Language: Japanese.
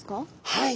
はい。